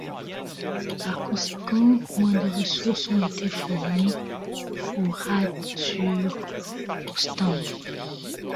Par conséquent, moins de ressources ont été fournies au raid sur Ostende.